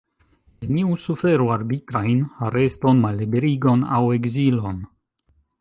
Neniu suferu arbitrajn areston, malliberigon aŭ ekzilon.